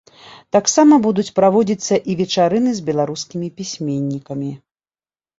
Таксама будуць праводзіцца і вечарыны з беларускімі пісьменнікамі.